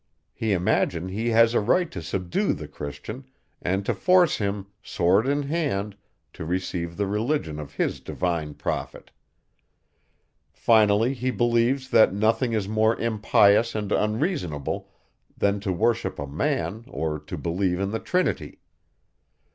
He imagines he has a right to subdue the Christian, and to force him, sword in hand, to receive the religion of his divine prophet. Finally, he believes, that nothing is more impious and unreasonable, than to worship a man, or to believe in the Trinity.